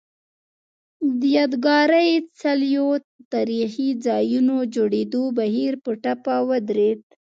د یادګاري څلیو او تاریخي ځایونو جوړېدو بهیر په ټپه ودرېد